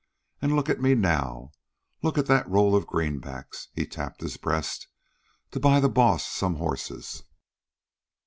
An' look at me now. Look at that roll of greenbacks" he tapped his breast "to buy the Boss some horses.